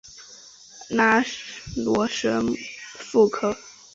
拉罗什富科。